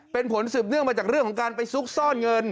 เป็นผลสืบเนื่องมาจากเรื่องของการไปซุกซ่อนเงิน